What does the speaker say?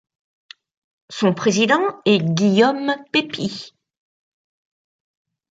Son président est Guillaume Pepy.